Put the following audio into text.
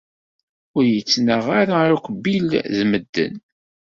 Ur yettnaɣ ara akk Bill d medden.